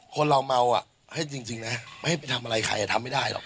คนเราเมาอ่ะให้จริงนะไม่ให้ไปทำอะไรใครทำไม่ได้หรอก